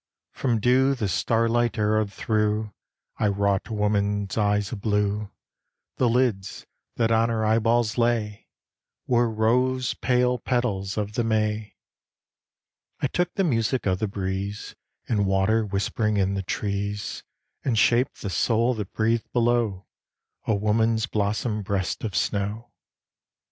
From dew, the starlight arrowed through, I wrought a woman's eyes of blue; The lids, that on her eyeballs lay, Were rose pale petals of the May. I took the music of the breeze, And water whispering in the trees, And shaped the soul that breathed below A woman's blossom breasts of snow.